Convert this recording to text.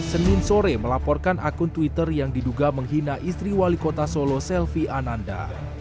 senin sore melaporkan akun twitter yang diduga menghina istri wali kota solo selvi ananda